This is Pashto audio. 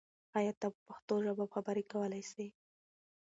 آیا ته په پښتو ژبه خبرې کولای سې؟